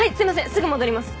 すぐ戻ります。